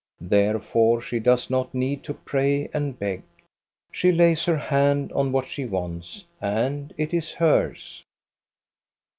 Therefore she does not need to pray and beg. She lays her hand on what she wants, and it is hers.